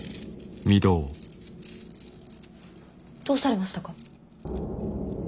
どうされましたか。